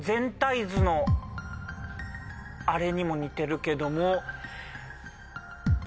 あれにも似てるけども。